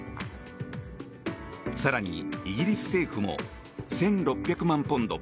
更に、イギリス政府も１６００万ポンド